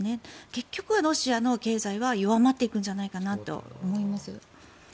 結局はロシアの経済は弱まっていくんじゃないかなと思います。